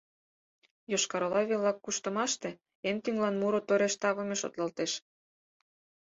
Йошкар-Ола велла куштымаште эн тӱҥлан муро тореш тавыме шотлалтеш.